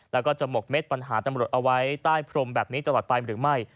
แล้วก็จะหมกเม็ดปัญหาตำรวจเอาไว้ใต้พรมแบบนี้ตลอดไปหรือไม่